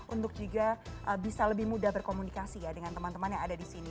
untuk juga bisa lebih mudah berkomunikasi ya dengan teman teman yang ada di sini